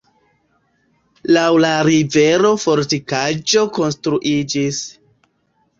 Laŭ la rivero fortikaĵo konstruiĝis.